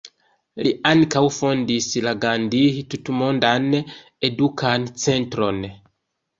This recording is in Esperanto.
Li ankaŭ fondis la Gandhi Tutmondan Edukan Centron.